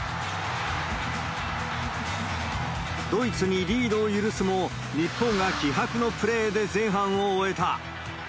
ドイツにリードを許すも、日本が気迫のプレーで前半を終えた。